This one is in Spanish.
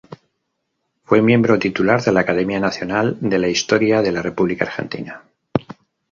Fue miembro titular de la Academia Nacional de la Historia de la República Argentina.